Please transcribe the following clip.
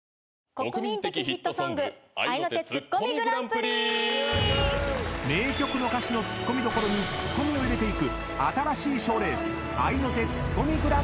「国民的ヒットソング合いの手ツッコミＧＰ」［名曲の歌詞のツッコミどころにツッコミを入れていく新しい賞レース］